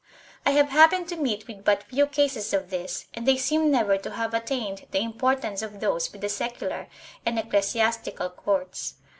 I have happened to meet with but few cases of this and they seem never to have attained the importance of those with the secular and ecclesiastical courts.